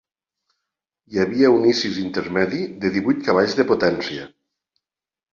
Hi havia un Isis intermedi de divuit cavalls de potència.